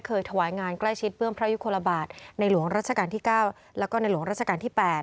ถวายงานใกล้ชิดเบื้องพระยุคลบาทในหลวงรัชกาลที่๙แล้วก็ในหลวงราชการที่๘